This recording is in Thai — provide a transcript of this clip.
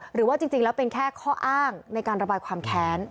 หรือว่าจริงแล้วเป็นแค่ข้ออ้างในการระบายความแค้น